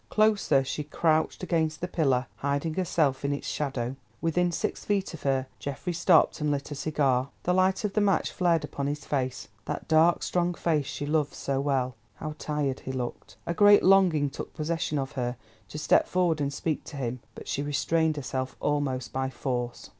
Closer she crouched against the pillar, hiding herself in its shadow. Within six feet of her Geoffrey stopped and lit a cigar. The light of the match flared upon his face, that dark, strong face she loved so well. How tired he looked. A great longing took possession of her to step forward and speak to him, but she restrained herself almost by force.